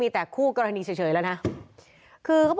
แต่คู่กรณีเฉยแล้วนะ